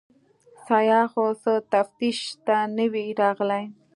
سیاح خو څه تفتیش ته نه وي راغلی.